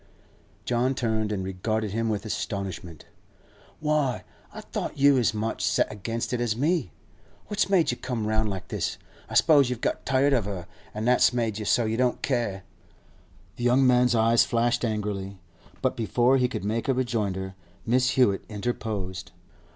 John turned and regarded him with astonishment. 'Why, I thought you was as much set against it as me? What's made you come round like this? I s'pose you've got tired of her, an' that's made you so you don't care.' The young man's eyes flashed angrily, but before he could make a rejoinder Mrs. Hewett interposed.